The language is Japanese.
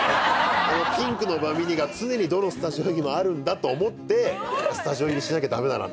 あのピンクのバミリが常にどのスタジオにもあるんだと思ってスタジオ入りしなきゃダメだなと。